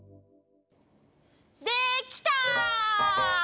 できた！